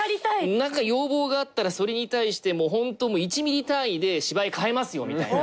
何か要望があったらそれに対してホント１ミリ単位で芝居変えますよみたいな。